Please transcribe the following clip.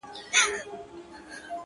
ټوله نــــړۍ راپسي مه ږغوه ـ